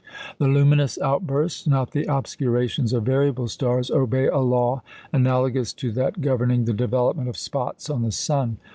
The luminous outbursts, not the obscurations of variable stars, obey a law analogous to that governing the development of spots on the sun.